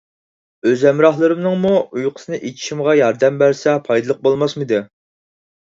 ئۆز ھەمراھلىرىمنىڭمۇ ئۇيقۇسىنى ئېچىشىمغا ياردەم بەرسە پايدىلىق بولماسمىدى؟